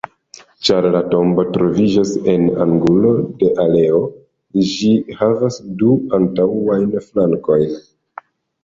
Ĉar la tombo troviĝas en angulo de aleo, ĝi havas du antaŭajn flankojn.